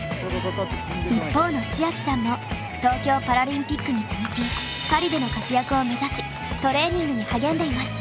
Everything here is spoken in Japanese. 一方の千明さんも東京パラリンピックに続きパリでの活躍を目指しトレーニングに励んでいます。